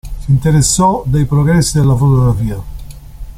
Si interessò dei progressi della fotografia.